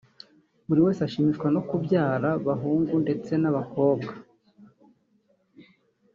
buri wese ashimishwa no kubyara bahungu ndetse n'abakobwa